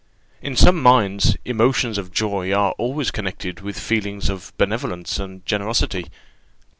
In some minds, emotions of joy are always connected with feelings of benevolence and generosity.